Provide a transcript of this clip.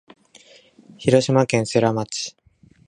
広島県世羅町